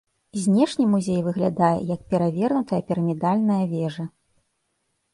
Знешне музей выглядае як перавернутая пірамідальная вежа.